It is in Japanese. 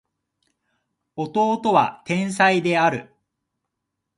弟は天才である